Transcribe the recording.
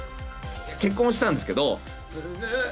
結婚したんですけど。